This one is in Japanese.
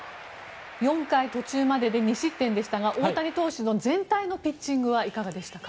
４回途中までで２失点でしたが大谷投手の全体のピッチングはいかがでしたか。